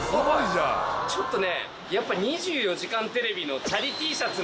ちょっとねやっぱ『２４時間テレビ』の。